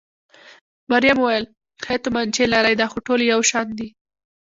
مريم وویل: ښې تومانچې لرئ؟ دا خو ټولې یو شان دي.